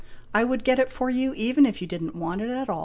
" I would get it for you, even if you did n't want it at all.'